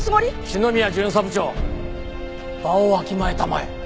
篠宮巡査部長場をわきまえたまえ。